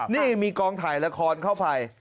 นี่มีกองถ่ายละครเข้าไป